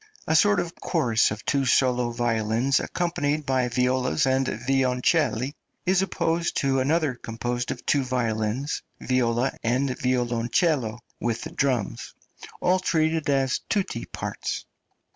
A sort of chorus of two solo violins, accompanied by violas and violoncelli, is opposed to another, composed of two violins, viola, and violoncello, with the drums, all treated as tutti parts.